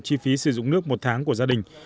chi phí sử dụng nước một tháng của gia đình